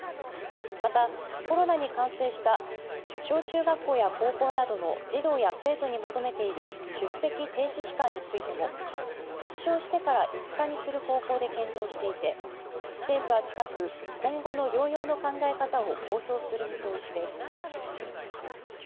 またコロナに感染した小中学校や高校などの児童や生徒に求めている出席停止期間についても発症してから５日にする方向で検討していて政府は近く今後の療養の考え方を公表する見通しです。